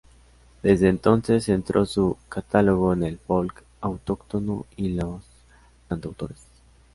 Desde entonces centró su catálogo en el folk autóctono y los cantautores.